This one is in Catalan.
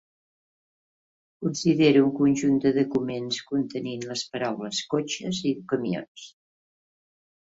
Considera un conjunt de documents contenint les paraules "cotxes" i "camions".